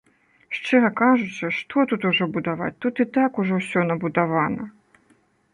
Шчыра кажучы, што тут ўжо будаваць, тут і так ўжо ўсё набудавана!